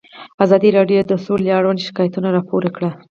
ازادي راډیو د سوله اړوند شکایتونه راپور کړي.